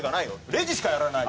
レジしかやらない。